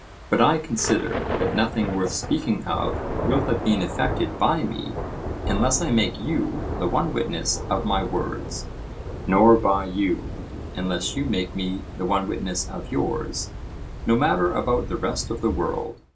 But I consider that nothing worth speaking of will have been effected by me unless I make you the one witness of my words; nor by you, unless you make me the one witness of yours; no matter about the rest of the world.